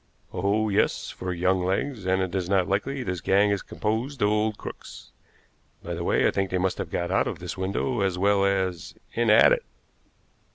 "Oh, yes, for young legs; and it is not likely this gang is composed of old crooks. By the way, I think they must have got out of this window as well as in at it.